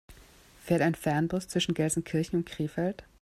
Fährt ein Fernbus zwischen Gelsenkirchen und Krefeld?